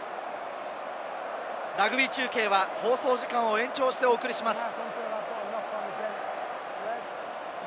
ラグビー中継は放送時間を延長してお送りします。